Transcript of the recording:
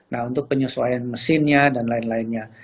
nah untuk penyesuaian mesinnya dan lain lainnya